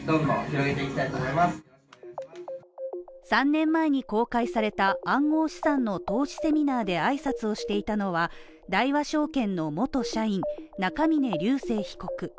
３年前に公開された暗号資産の投資セミナーで挨拶をしていたのは、大和証券の元社員、中峯竜晟被告。